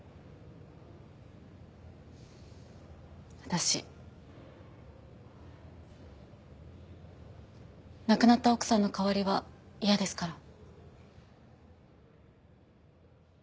私亡くなった奥さんの代わりは嫌ですから。